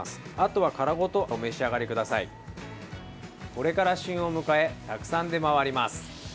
これから旬を迎えたくさん出回ります。